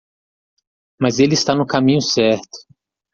Mas ele está no caminho certo.